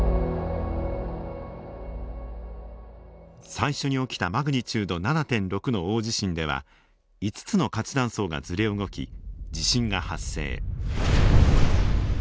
最初に起きたマグニチュード７．６の大地震では５つの活断層がずれ動き地震が発生。